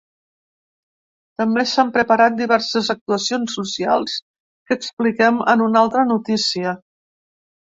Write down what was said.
També s’han preparat diverses actuacions socials que expliquem en una altra notícia.